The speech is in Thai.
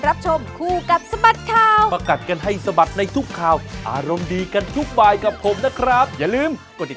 โอ้ยชอบจังเลยลูกกรีดสักพักแม่กรีด